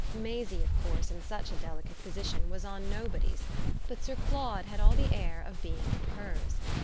Maisie of course, in such a delicate position, was on nobody's; but Sir Claude had all the air of being on hers.